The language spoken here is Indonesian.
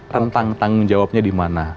rentang tanggung jawabnya di mana